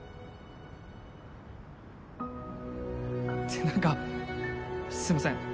ってなんかすみません。